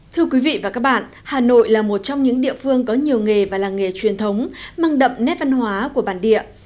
thưa quý vị và các bạn hà nội là một trong những địa phương có nhiều nghề và làng nghề truyền thống mang đậm nét văn hóa của bản địa